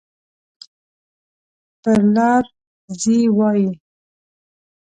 پر لار ځي وایي.